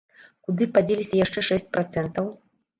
Куды падзеліся яшчэ шэсць працэнтаў?